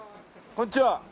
こんにちは。